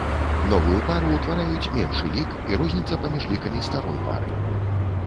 Новую пару ўтвараюць меншы лік і розніца паміж лікамі старой пары.